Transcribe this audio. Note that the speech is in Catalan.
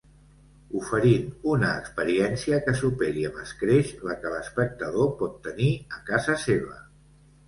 Oferint una experiència que superi amb escreix la que l'espectador pot tenir a casa seva.